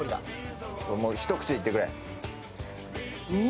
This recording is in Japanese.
一口でいってくれ。